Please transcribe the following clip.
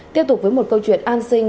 tiếp tục với một câu chuyện an sinh